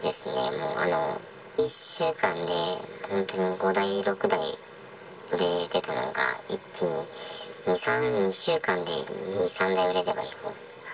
もう、１週間で本当に５台、６台、売れてたのが、一気に２週間で２、３台売れればいいほう。